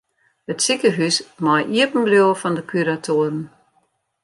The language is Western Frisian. It sikehús mei iepen bliuwe fan de kuratoaren.